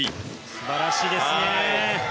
素晴らしいですね。